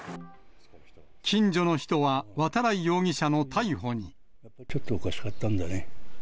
近所の人は、ちょっとおかしかったんだね。